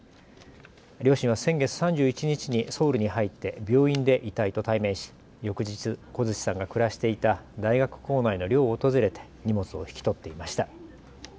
両親は先月３１日にソウルに入って病院で遺体と対面し翌日、小槌さんが暮らしていた大学構内の寮を訪れて荷物を引き取っていました。